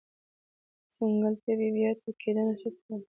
د ځنګل طبيعي بیا ټوکیدنه څه ته وایې؟